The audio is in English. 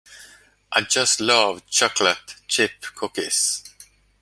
I just love chocolate chip cookies.